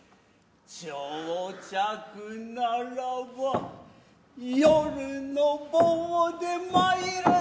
打擲ならば夜の棒で参るぞ。